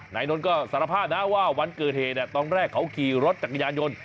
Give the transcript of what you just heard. นายนนท์ก็สารภาพนะว่าวันเกิดเหตุตอนแรกเขาขี่รถจักรยานยนต์